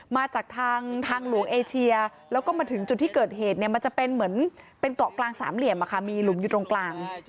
มาจากทางทางหลวงเอเชียแล้วก็มาถึงจุดที่เกิดเหตุเนี่ยมันจะเป็นเหมือนเป็นเกาะกลางสามเหลี่ยมมีหลุมอยู่ตรงกลาง